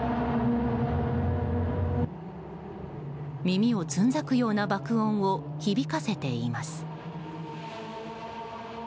耳をつんざくような爆音を響かせています。